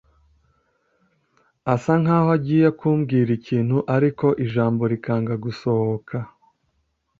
asa nkaho agiye kumbwira ikintu ariko ijambo rikanga gusohoka,